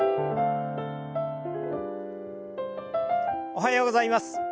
おはようございます。